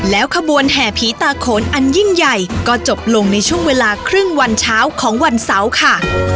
แล้วขบวนแห่ผีตาโขนอันยิ่งใหญ่ก็จบลงในช่วงเวลาครึ่งวันเช้าของวันเสาร์ค่ะ